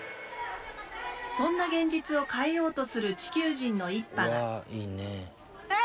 そんな現実を変えようとする地球人の一派が。